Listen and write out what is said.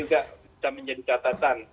juga bisa menjadi catatan